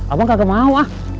abang kagak mau ah